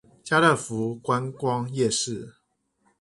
嘉樂福觀光夜市